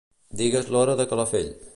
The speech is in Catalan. Digues l'hora de Calafell.